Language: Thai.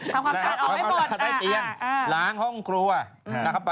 ทำความสะอาดออกให้หมด